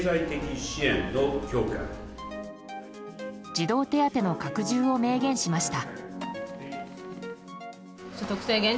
児童手当の拡充を明言しました。